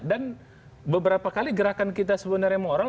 dan beberapa kali gerakan kita sebenarnya moral